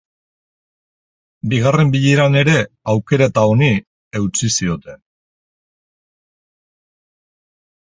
Bigarren bileran ere, aukeraketa honi eutsi zioten.